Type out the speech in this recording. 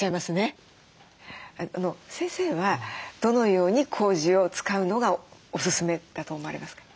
先生はどのようにこうじを使うのがおすすめだと思われますか？